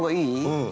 うん。